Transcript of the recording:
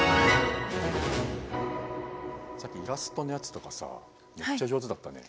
さっきイラストのやつとかさめっちゃ上手だったね。